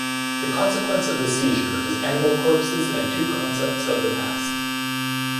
The consequence of the seizure is animal corpses and two concepts of the past.